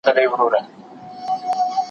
تاسو به د ذهني ارامتیا لاري لټوئ.